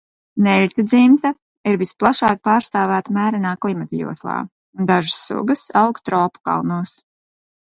Neļķu dzimta ir visplašāk pārstāvēta mērenā klimata joslā un dažas sugas aug tropu kalnos.